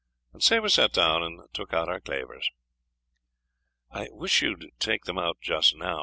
and sae we sat doun and took out our clavers." "I wish you would take them out just now.